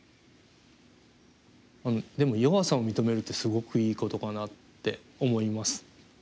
でも弱さを認めるってすごくいいことかなって思います。